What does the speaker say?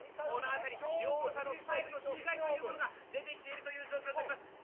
この辺り両者のスタイルの違いというものが出てきているという状況になります。